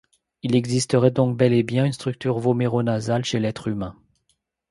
Il existerait donc bel et bien une structure voméronasale chez l'être humain.